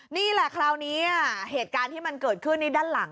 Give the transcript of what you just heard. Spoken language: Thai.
นี่แหละคราวนี้เหตุการณ์ที่มันเกิดขึ้นนี่ด้านหลัง